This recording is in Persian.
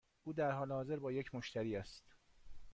او در حال حاضر با یک مشتری است.